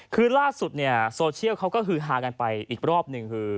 คือล่าสุดเนี่ยโซเชียลเขาก็ฮือฮากันไปอีกรอบหนึ่งคือ